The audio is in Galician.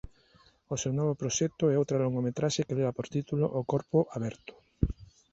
O seu novo proxecto é outra longametraxe que leva por título "O corpo aberto".